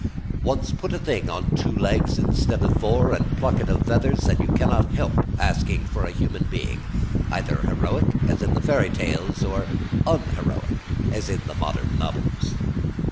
Once put a thing on two legs instead of four and pluck it of feathers and you cannot help asking for a human being, either heroic, as in the fairy tales, or un heroic, as in the modern novels.